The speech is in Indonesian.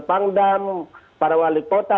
pangdam para wali kota